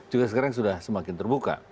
juga sekarang sudah semakin terbuka